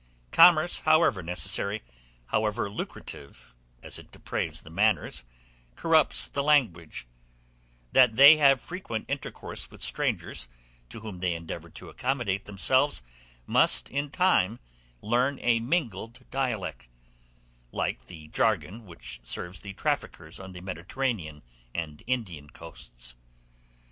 Commerce, however necessary, however lucrative, as it depraves the manners, corrupts the language; they that have frequent intercourse with strangers, to whom they endeavor to accommodate themselves, must in time learn a mingled dialect, like the jargon which serves the traffickers on the Mediterranean and Indian coasts.